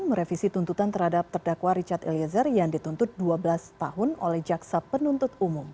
merevisi tuntutan terhadap terdakwa richard eliezer yang dituntut dua belas tahun oleh jaksa penuntut umum